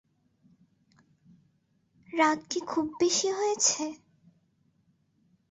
রাত কি খুব বেশি হয়েছে?